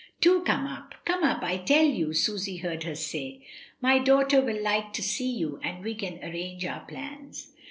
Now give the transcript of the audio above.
"Do come up. Come up, I tell you," Susy heard her say. "My daughter will like to see you, and we can arrange our plans."